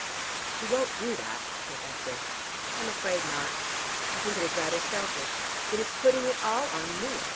"He won't do that," said Esther. "I am afraid not. I think it is rather selfish. It is putting it all on me.